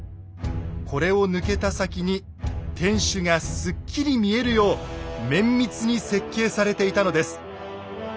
これを抜けた先に天守がすっきり見えるよう綿密に設計されていたのです。